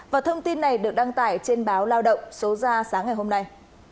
và thông tin này được đăng tải trên báo lao động số ra sáng ngày hôm nay